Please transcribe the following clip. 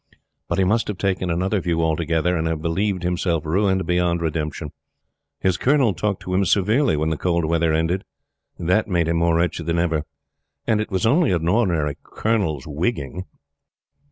But he must have taken another view altogether and have believed himself ruined beyond redemption. His Colonel talked to him severely when the cold weather ended. That made him more wretched than ever; and it was only an ordinary "Colonel's wigging!"